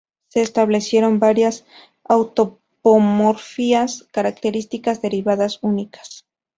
Se establecieron varias autapomorfias, características derivadas únicas.